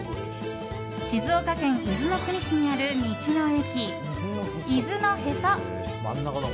静岡県伊豆の国市にある道の駅伊豆のへそ。